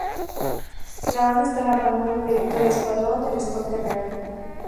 La banda está bajo el mando directo de Escuadrón de Escolta Real.